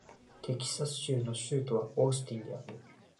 テキサス州の州都はオースティンである